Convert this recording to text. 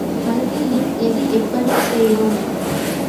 கல்வியில் இது எப்படிச் சேரும்?